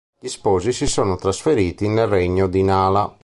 Gli sposi si sono trasferiti nel regno di Nala.